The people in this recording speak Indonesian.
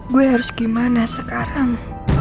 gue harus gimana sekarang